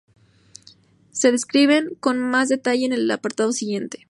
Se describen con más detalle en el apartado siguiente.